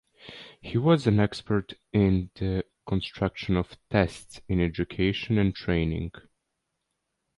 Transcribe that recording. He was an expert in the construction of tests in education and training.